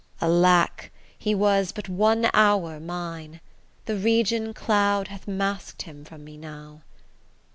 alack! he was but one hour mine, The region cloud hath mask'd him from me now.